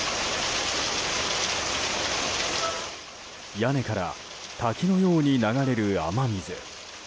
屋根から滝のように流れる雨水。